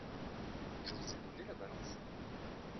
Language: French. Je vous ai donné la balance ?